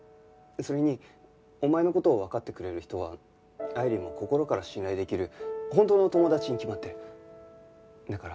それにお前の事をわかってくれる人は愛理も心から信頼できる本当の友達に決まってる。